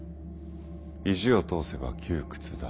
「意地を通せば窮屈だ。